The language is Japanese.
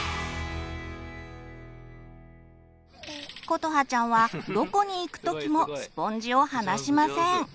ことはちゃんはどこに行くときもスポンジを離しません。